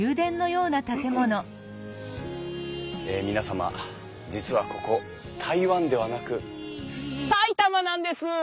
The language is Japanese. え皆様実はここ台湾ではなく埼玉なんです！